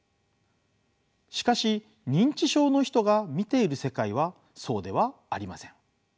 しかし認知症の人が見ている世界はそうではありません。